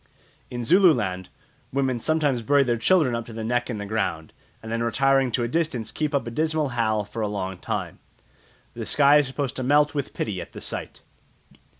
In Zululand women sometimes bury their children up to the neck in the ground, and then retiring to a distance keep up a dismal howl for a long time. The sky is supposed to melt with pity at the sight.